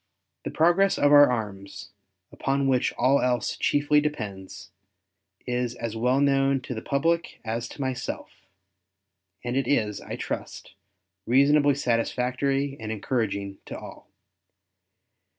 The progress of our arms, upon which all else chiefly depends, is as well known to the public as to myself; and it is, I trust, reasonably satisfactory and encouraging to all.